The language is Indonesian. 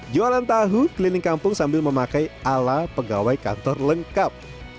jualan tahu keliling kampung sambil memakai ala pegawai kantor lengkap